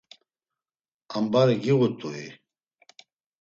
Ambari giğut̆ui?